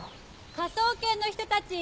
科捜研の人たち？